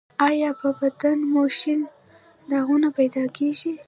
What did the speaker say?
ایا په بدن مو شین داغونه پیدا کیږي؟